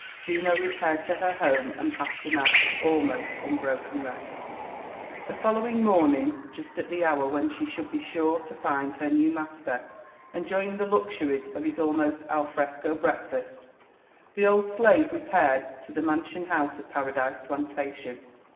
Judo repaired to her home and passed a night of almost unbroken rest. The following morning, just at the hour when slie should be sure to find her new master enjoying the luxuries of his almost alfresco break fast, the old slave repaired to the mansion house of Paradise Plantation.